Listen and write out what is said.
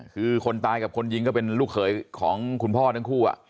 คือคนตายกับคนยิงก็เป็นลูกเขยของคุณพ่อทั้งคู่